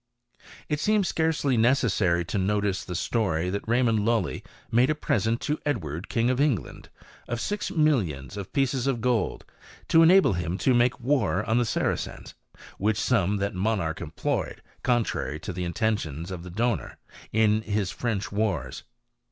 It seems scarcely necessary to notice the story thj Raymond Lully made a present to Edward, King of Enj land, of six millions of pieces of gold, to enable hirai 1 make war on the Saracens, which sum that monarch en ployed, contrary to the intentions of the donor, in h French wars.